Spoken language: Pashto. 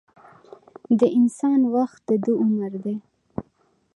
د انسان وخت دده عمر دی.